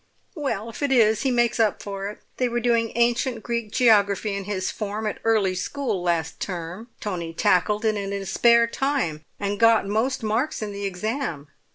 "Well, if it is, he makes up for it. They were doing Ancient Greek Geography in his form at early school last term. Tony tackled it in his spare time, and got most marks in the exam."